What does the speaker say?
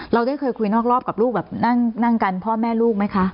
เราได้เคยคุยนอกรอบกับลูกแบบนั่งกันพ่อแม่ลูกไหมคะ